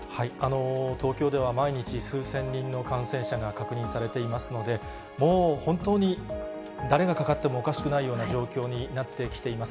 東京では毎日、数千人の感染者が確認されていますので、もう本当に誰がかかってもおかしくないような状況になってきています。